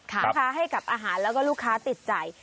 ขาดค้าให้กับอาหารแล้วก็ลูกค้าติดจ่าย